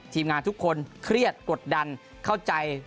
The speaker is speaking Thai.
ทุกคนเครียดกดดันเข้าใจ